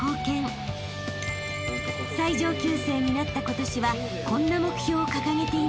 ［最上級生になった今年はこんな目標を掲げていました］